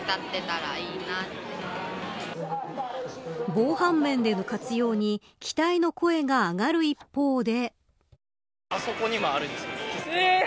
防犯面での活用に期待の声が上がる一方で。